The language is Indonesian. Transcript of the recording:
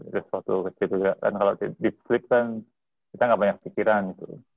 beres foto kecil juga kan kalau di flip kan kita nggak banyak pikiran gitu